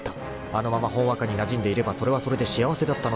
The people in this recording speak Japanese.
［あのままほんわかになじんでいればそれはそれで幸せだったのではないか］